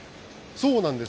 そうなんです。